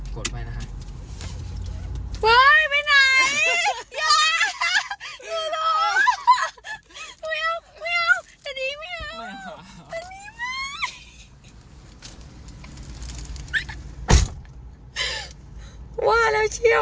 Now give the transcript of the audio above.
กดไว้นะคะ